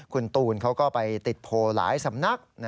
คุณตูนเขาก็ไปติดโพลหลายสำนัก